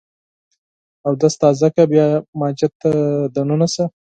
اودس تازه کړه ، بیا مسجد ته دننه سه!